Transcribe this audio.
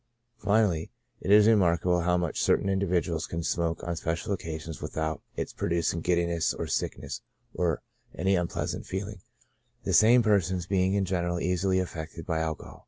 Finally, it is remarkable how much certain individuals can smoke on special occasions without its producing giddi ness, or sickness, or any unpleasant feeling, the same persons being in general easily affected by tobacco.